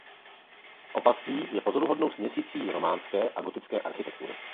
Opatství je pozoruhodnou směsicí románské a gotické architektury.